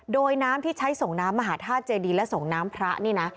โดยน้ำที่ใช้ส่งน้ำมหาธาตุเจดีและส่งน้ำพระนี่นะ